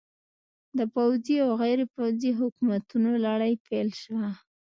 د پوځي او غیر پوځي حکومتونو لړۍ پیل شوه.